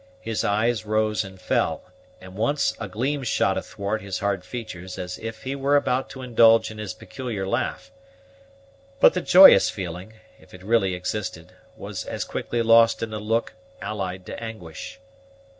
His eyes rose and fell, and once a gleam shot athwart his hard features as if he were about to indulge in his peculiar laugh; but the joyous feeling, if it really existed, was as quickly lost in a look allied to anguish.